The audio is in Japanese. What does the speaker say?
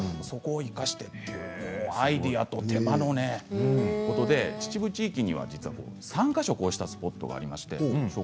そこを生かして、アイデアと手間で秩父地域には３か所こうしたスポットがあります。